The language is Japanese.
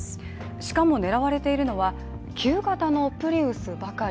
しかも、狙われているのは旧型のプリウスばかり。